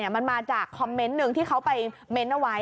มันมาจากคอมเมนต์หนึ่งที่เขาไปเม้นต์เอาไว้